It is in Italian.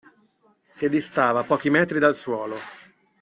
Che distava pochi metri dal suolo.